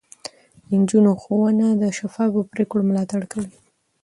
د نجونو ښوونه د شفافو پرېکړو ملاتړ کوي.